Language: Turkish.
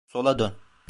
Sola dön.